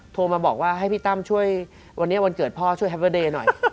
โทรมาบอกว่าให้พี่ตั้มช่วยวันนี้วันเกิดพ่อช่วยแฮปเบอร์เดย์หน่อย